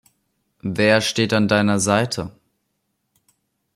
Wer steht an deiner Seite?